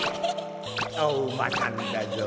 おうまさんだぞ。